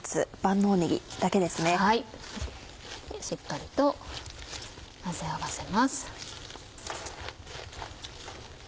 しっかりと混ぜ合わせます。